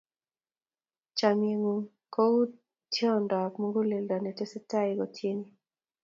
Chomye ng'ung' kou tyendap muguleldanyu netesetai kotyeni.